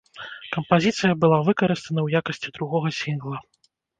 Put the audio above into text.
Кампазіцыя была выкарыстана ў якасці другога сінгла.